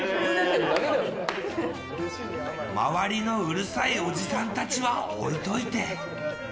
周りのうるさいおじさんたちは置いておいて。